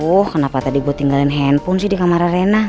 tuh kenapa tadi gua tinggalin handphone sih di kamar reina